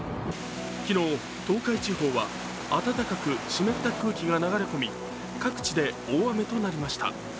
昨日、東海地方は暖かく湿った空気が流れ込み各地で大雨となりました。